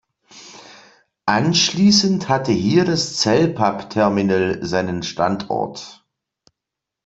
Anschließend hatte hier das Cellpapp-Terminal seinen Standort.